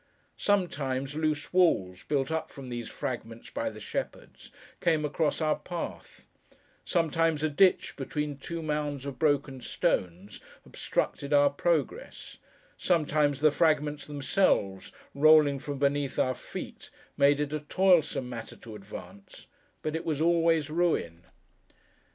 Sometimes, loose walls, built up from these fragments by the shepherds, came across our path; sometimes, a ditch between two mounds of broken stones, obstructed our progress; sometimes, the fragments themselves, rolling from beneath our feet, made it a toilsome matter to advance; but it was always ruin.